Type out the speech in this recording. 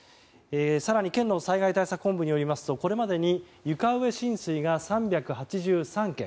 更に県の災害対策本部によりますとこれまでに床上浸水が３８３軒